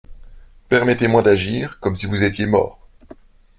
Permettez-moi d'agir comme si vous étiez mort.